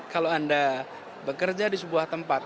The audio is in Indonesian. kalau anda bekerja di sebuah tempat